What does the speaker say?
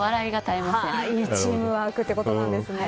いいチームワークってことなんですね。